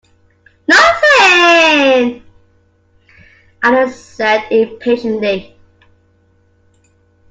‘Nothing!’ Alice said impatiently.